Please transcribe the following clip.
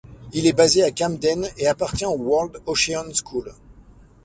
Il est basé à Camden et appartient au World Ocean School.